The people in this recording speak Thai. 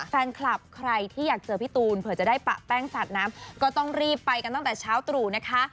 แฟนคลับใครที่อยากเจอพี่ตูนเผื่อจะได้ปะแป้งสาดน้ำก็ต้องรีบไปกันตั้งแต่เช้าตรู่นะคะ